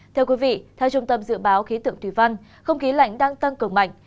theo trung tâm dự báo khí tượng thủy văn không khí lạnh đang tăng cường mạnh